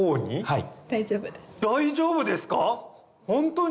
はい。